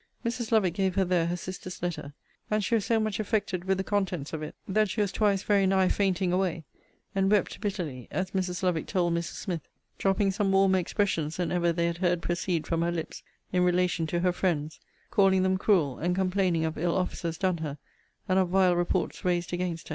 'Mrs. Lovick gave her there her sister's letter;* and she was so much affected with the contents of it, that she was twice very nigh fainting away; and wept bitterly, as Mrs. Lovick told Mrs. Smith; dropping some warmer expressions than ever they had heard proceed from her lips, in relation to her friends; calling them cruel, and complaining of ill offices done her, and of vile reports raised against her.